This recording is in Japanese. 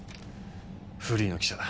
フリーの記者だ。